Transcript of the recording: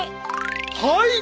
はい！